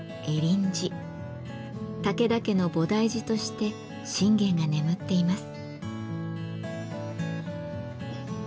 武田家の菩提寺として信玄が眠っています。